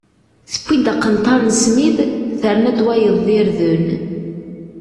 Tawwi-d aqenṭar n smid, terna-d wayeḍ d irden.